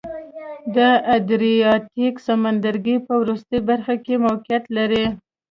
د ادریاتیک سمندرګي په وروستۍ برخه کې موقعیت لري.